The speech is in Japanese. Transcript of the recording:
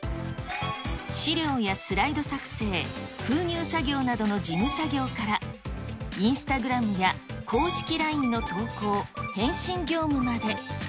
資料やスライド作成、封入作業などの事務作業から、インスタグラムや公式ＬＩＮＥの投稿、返信業務まで。